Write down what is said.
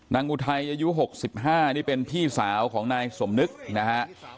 นางบุธัยอายุหกสิบห้านี่เป็นพี่สาวของนายสมนึกนะฮะ